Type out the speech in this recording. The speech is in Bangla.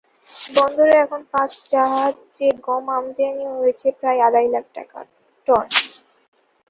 বন্দরে এখন পাঁচ জাহাজে গম আমদানি হয়েছে প্রায় আড়াই লাখ টন।